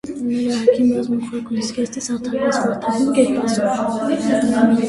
Նրա հագին բաց մոխրագույն զգեստ է՝ զարդարված վարդագույն կերպասով։